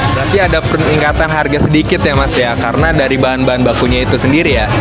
berarti ada peningkatan harga sedikit ya mas ya karena dari bahan bahan bakunya itu sendiri ya